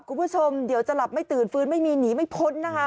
คุณผู้ชมเดี๋ยวจะหลับไม่ตื่นฟื้นไม่มีหนีไม่พ้นนะคะ